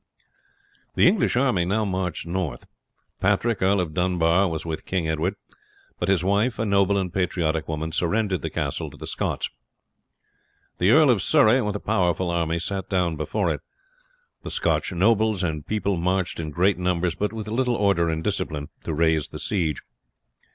The English army now marched north. Patrick, Earl of Dunbar, was with King Edward; but his wife, a noble and patriotic woman, surrendered the castle to the Scots. The Earl of Surrey, with a powerful army, sat down before it. The Scotch nobles and people marched in great numbers, but with little order and discipline, to raise the siege.